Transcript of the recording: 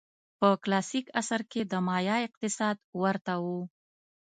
په کلاسیک عصر کې د مایا اقتصاد ورته و.